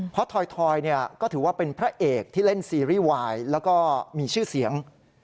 เพราะทอยก็ถือว่าเป็นพระเอกที่เล่นซีรีส์วายแล้วก็มีชื่อเสียง